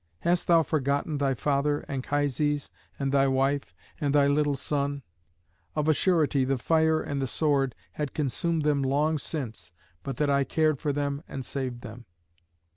Hast thou forgotten thy father Anchises, and thy wife, and thy little son? Of a surety the fire and the sword had consumed them long since but that I cared for them and saved them.